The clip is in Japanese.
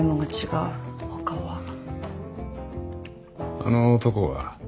あの男は？